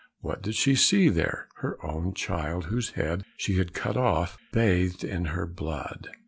What did she see there? Her own child, whose head she had cut off, bathed in her blood.